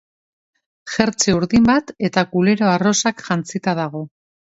Jertse urdin bat eta kulero arrosak jantzita dago.